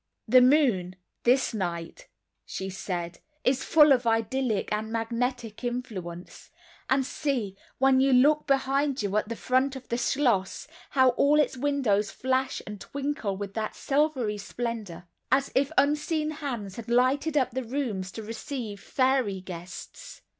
"The moon, this night," she said, "is full of idyllic and magnetic influence—and see, when you look behind you at the front of the schloss how all its windows flash and twinkle with that silvery splendor, as if unseen hands had lighted up the rooms to receive fairy guests."